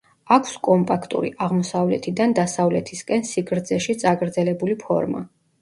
აქვს კომპაქტური, აღმოსავლეთიდან დასავლეთისკენ სიგრძეში წაგრძელებული ფორმა.